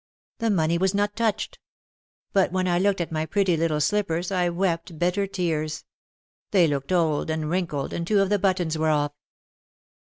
The money was not touched. But when I looked at my pretty little slippers I wept bitter tears. They looked old, and wrinkled, and two of the buttons were off.